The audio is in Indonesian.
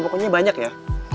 pokoknya banyak ya